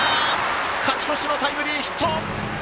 勝ち越しのタイムリーヒット！